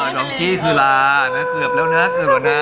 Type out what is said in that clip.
น้องกี้คือลานะเกือบแล้วนะเกือบแล้วนะ